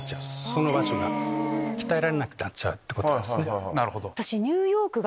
その場所が鍛えられなくなるってことですね。